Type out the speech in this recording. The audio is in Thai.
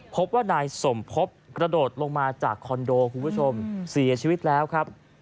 พบว่านายสมพบกระโดดลงมาจากคอนโดคุณผู้ชมเสียชีวิตแล้วครับ